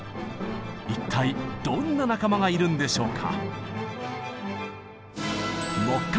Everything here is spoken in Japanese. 一体どんな仲間がいるんでしょうか。